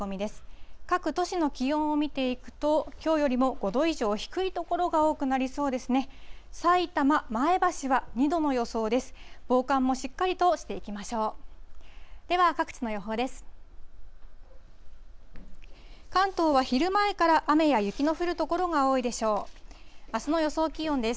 では、各地の予報です。